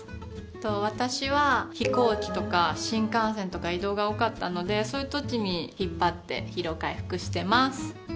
私は飛行機とか新幹線とか移動が多かったのでそういうときに引っ張って疲労回復してます。